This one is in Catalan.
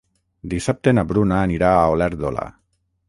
Dissabte na Bruna anirà a Olèrdola.